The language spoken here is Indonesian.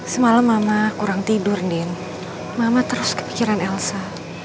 semalam mama kurang tidur din mama terus kepikiran elsa